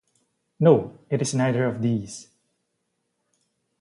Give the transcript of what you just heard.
No, it is neither of these.